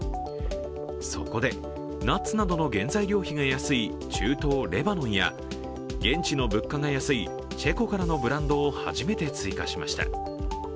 そこでナッツなどの原材料費が安い中東・レバノンや現地の物価が安いチェコからのブランドを初めて追加しました。